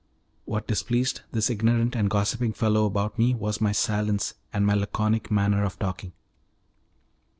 What displeased this ignorant and gossiping fellow about me was my silence and my laconic manner of talking.